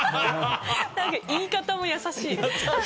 言い方も優しい。